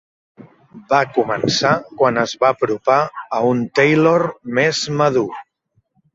Va començar quan es va apropar a un Taylor més madur.